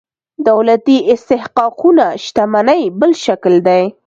دولتي استحقاقونه شتمنۍ بل شکل دي.